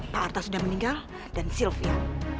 pak arta sudah meninggal dan sylvia